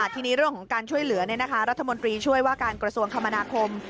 ทีนี้เรื่องของการช่วยเหลือรัฐมนตรีช่วยว่าการกระทรวงคมนาคม